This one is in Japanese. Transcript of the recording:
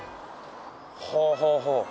はあはあはあ